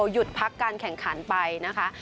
หยุดพักการแข่งขันไปนะคะ